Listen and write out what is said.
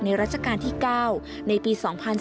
รัชกาลที่๙ในปี๒๔